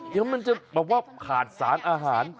เดี๋ยวมันจะแบบว่าขาดสารอาหาร